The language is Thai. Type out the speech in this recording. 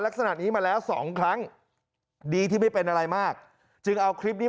ลักษณะนี้มาแล้วสองครั้งดีที่ไม่เป็นอะไรมากจึงเอาคลิปนี้